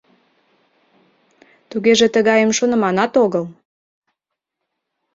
Тугеже тыгайым шоныманат огыл.